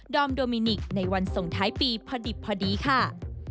โดมินิกในวันส่งท้ายปีพอดิบพอดีค่ะ